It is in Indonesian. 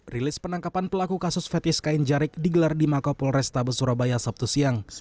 rilis penangkapan pelaku kasus fetis kain jarik digelar di mako polrestabes surabaya sabtu siang